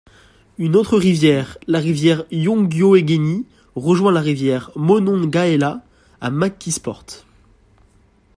Une autre rivière, la rivière Youghiogheny rejoint la rivière Monongahela à McKeesport.